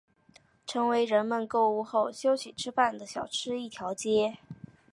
成为人们购物后休息吃饭的小吃一条街。